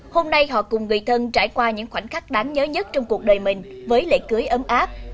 hôm nay họ cùng người thân trải qua những khoảnh khắc đáng nhớ nhất trong cuộc đời mình với lễ cưới ấm áp